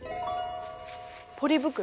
ポリ袋？